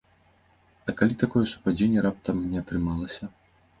А калі такое супадзенне раптам не атрымалася?